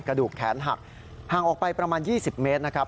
กระดูกแขนหักห่างออกไปประมาณ๒๐เมตรนะครับ